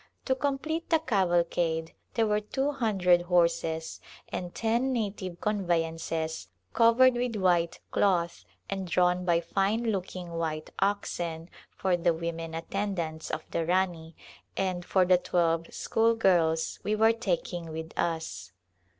To complete the cavalcade there were two hundred horses, and ten native conveyances covered with white cloth and drawn by fine looking white oxen for the women attendants of the Rani, and for the twelve schoolgirls we were taking with us.